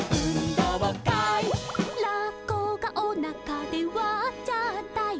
「ラッコがおなかでわっちゃったよ」